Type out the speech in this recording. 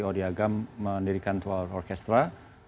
odi agam mendirikan dua belas orkestra